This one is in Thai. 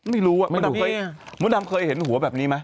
ไม่รู้ว่ามดดำเคยเห็นหัวแบบนี้ไหม